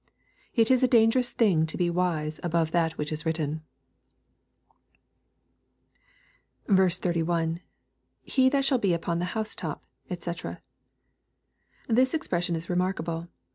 It is a dangerous thing to be wise above that which is writtfjn. 31. — [He which shall he upon the house top^ &c^ This expression is remarkable.